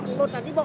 một là đi bộ